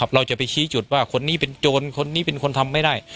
เราจะไปชี้จุดว่าคนนี้เป็นโจรคนนี้เป็นคนทำไม่ได้